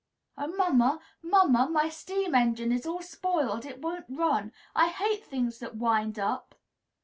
"Oh, mamma! mamma! My steam engine is all spoiled. It won't run. I hate things that wind up!"